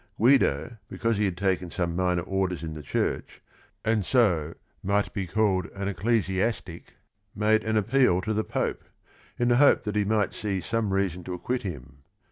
Guido, because he had taken some minor orders in the church and so might be called an ecclesiastic, made an appeal THE STORY 17 to the Pope, in the hope that he might see some reason to acquit him.